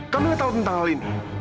kamila tahu tentang hal ini